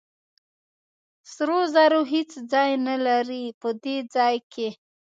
سرو زرو هېڅ ځای نه لري په دې ځای کې.